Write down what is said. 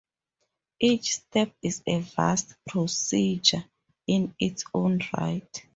Each step is a vast procedure in its own right.